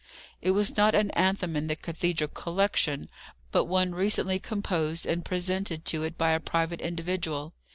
It was not an anthem in the cathedral collection, but one recently composed and presented to it by a private individual.